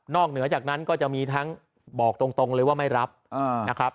เหนือจากนั้นก็จะมีทั้งบอกตรงเลยว่าไม่รับนะครับ